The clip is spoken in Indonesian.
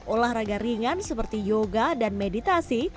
olahraga ringan seperti yoga dan meditasi